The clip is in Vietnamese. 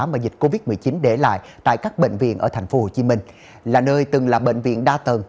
mà dịch covid một mươi chín để lại tại các bệnh viện ở tp hcm là nơi từng là bệnh viện đa tầng